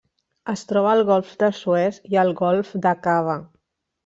Es troba al Golf de Suez i al Golf d'Aqaba.